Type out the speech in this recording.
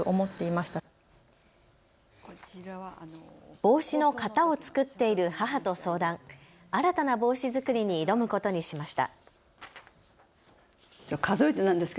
帽子の型を作っている母と相談、新たな帽子作りに挑むことにしました。